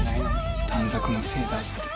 短冊のせいだって。